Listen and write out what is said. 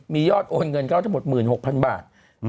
มียอดโอนเงินเขาจะหมดหมื่นหกพันบาท